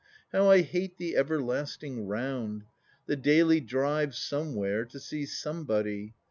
How I hate the everlasting round, the daily drive somewhere to see somebody